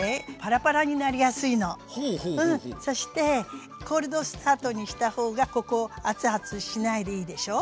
そしてコールドスタートにした方がここ熱々しないでいいでしょう？